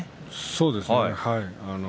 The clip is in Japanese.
そうですね。